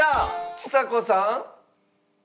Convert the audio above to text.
ちさ子さん。